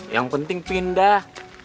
yang penting pindah